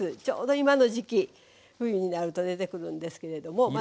ちょうど今の時期冬になると出てくるんですけれども。